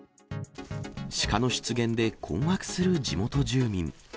シカの出現で困惑する地元住民。